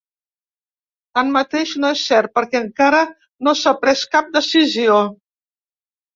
Tanmateix, no és cert perquè encara no s’ha pres cap decisió.